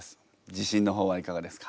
自信の方はいかがですか？